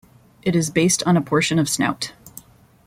It is based on a portion of snout.